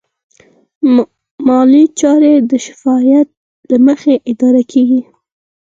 مالي چارې د شفافیت له مخې اداره کېږي.